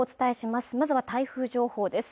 まずは台風情報です